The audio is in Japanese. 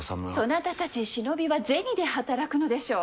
そなたたち忍びは銭で働くのでしょう。